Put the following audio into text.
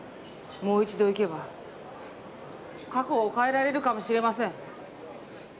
もう一度行けば過去を変えられるかもしれません。